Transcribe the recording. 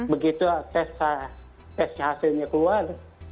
begitu tes hasilnya keluar